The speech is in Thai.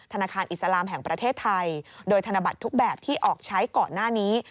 อิสลามแห่งประเทศไทยโดยธนบัตรทุกแบบที่ออกใช้ก่อนหน้านี้